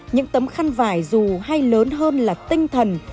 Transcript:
những tấm khăn vải dù hay lớn hơn là tinh thần